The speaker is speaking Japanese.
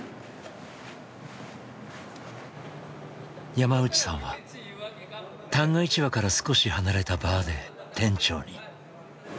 山内さんは旦過市場から少し離れたバーで店長に。